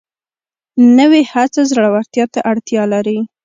نوې هڅه زړورتیا ته اړتیا لري